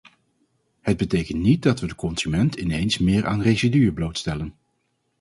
Het betekent niet dat we de consument ineens meer aan residuen blootstellen.